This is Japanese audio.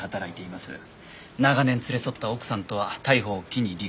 長年連れ添った奥さんとは逮捕を機に離婚。